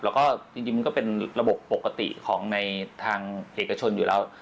แล้วก็จริงมันก็เป็นระบบปกติของในทางเอกชนอยู่แล้ว